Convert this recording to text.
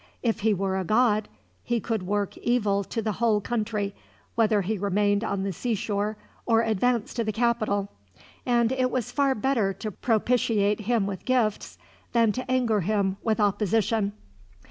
If he were a god, he could work evil to the whole country, whether he remained on the seashore or advanced to the capital; and it was far better to propitiate him with gifts, than to anger him with opposition.